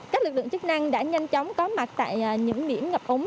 các lực lượng chức năng đã nhanh chóng có mặt tại những miễn ngập úng